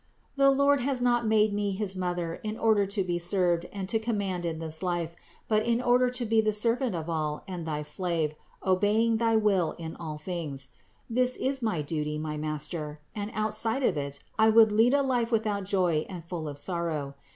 The Lord has not made me his Mother in order to be served and to command in this life, but in order to be the servant of all and thy slave, obeying thy will in all things. This is my duty, my master, and out side of it I would lead a life without joy and full of sorrow.